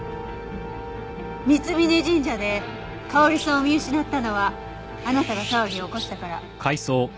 三峯神社で香織さんを見失ったのはあなたが騒ぎを起こしたから。